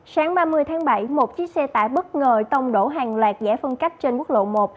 sáng ba mươi tháng bảy một chiếc xe tải bất ngờ tông đổ hàng loạt giải phân cách trên quốc lộ một